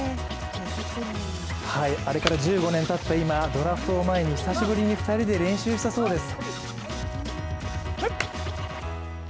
あれから１５年たった今ドラフトを前に、久しぶりに２人で練習したそうです。